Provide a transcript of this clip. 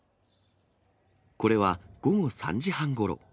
これは午後３時半ごろ。